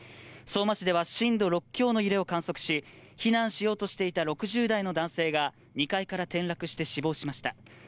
相馬市では震度６強の揺れを観測し避難しようとしていた６０代の男性が２階から転落して死亡しました。